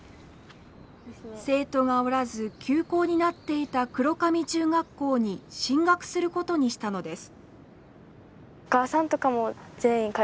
生徒がおらず休校になっていた黒神中学校に進学することにしたのです。